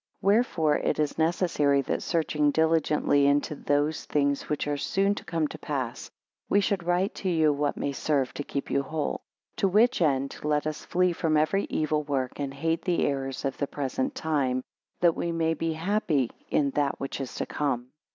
WHEREFORE it is necessary that searching diligently into those things which are soon to come to pass, we should write to you what may serve to keep you whole. 2 To which end, let us flee from every evil work and hate the errors of the present time, that we may be happy in that which is to come.